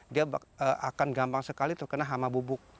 dia akan gampang sekali terkena hama bubuk